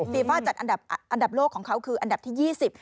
ฟีเฟ้าจัดอันดับโลกของเขาคืออันดับที่๒๐